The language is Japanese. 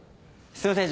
すいません